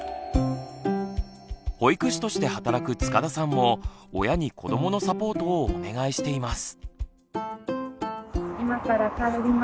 保育士として働く塚田さんも親に子どものサポートをお願いしています。